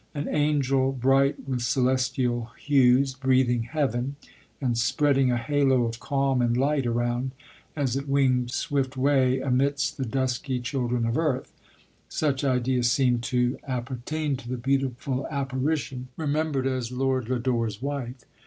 An angel bright with celestial hues, breathing heaven, and spreading a halo of calm and light around, as it winged swift way amidst the dusky children of earth: such ideas seemed to appertain to the beautiful apparition, remem 8 LODORE. bered as Lord Lodore's wife.